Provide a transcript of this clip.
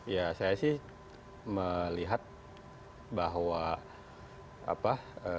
ya saya sih melihat bahwa apa